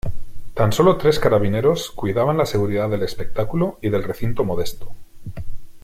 Tan sólo tres carabineros cuidaban la seguridad del espectáculo y del recinto modesto.